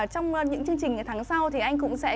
trong những chương trình tháng sau thì anh cũng sẽ